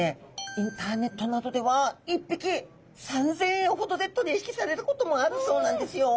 インターネットなどでは１匹３，０００円ほどで取り引きされることもあるそうなんですよ。